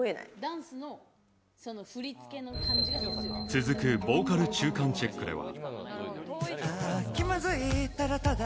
続く、ボーカル中間チェックでは。